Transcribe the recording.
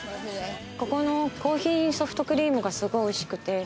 ここのコーヒーソフトクリームがすごいおいしくて。